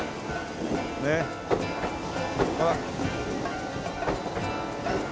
ねえほら。